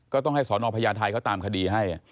ก็ต้องให้สนพญาไทยเขาตามคดีให้